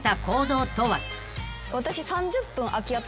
私。